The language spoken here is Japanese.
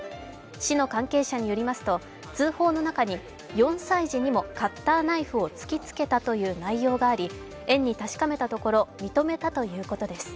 市の関係者によりますと通報の中に４歳児にもカッターナイフを突きつけたという内容があり、園に確かめたところ、認めたということです。